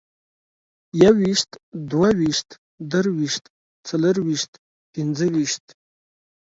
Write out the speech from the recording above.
يويشت، دوه ويشت، درويشت، څلرويشت، پينځويشت